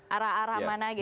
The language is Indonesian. arah arah mana gitu